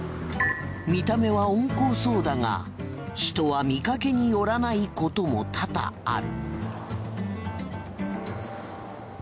見た目は温厚そうだが人は見かけによらないことも多々ある。